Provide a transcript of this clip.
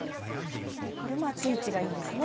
これも熱いうちがいいんですね。